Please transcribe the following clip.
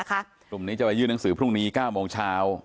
กลุ่มนี้จะไปยื่นหนังสือพรุ่งนี้๙โมงเช้า